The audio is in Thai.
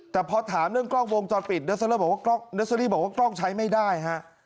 แต่พอถามเรื่องกล้องวงจรปิดเนอร์เซอรี่บอกว่ากล้องใช้ไม่ได้ฮะ